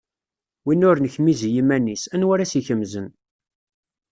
Win ur nekmiz i yiman-is, anwa ara as-ikemzen.